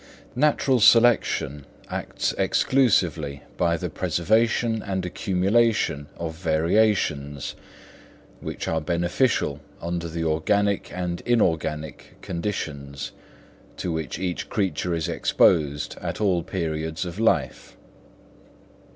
_ Natural selection acts exclusively by the preservation and accumulation of variations, which are beneficial under the organic and inorganic conditions to which each creature is exposed at all periods of life.